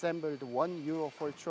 menggabungkan satu truk euro empat